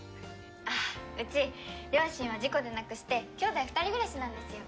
あっうち両親を事故で亡くして姉弟二人暮らしなんですよ。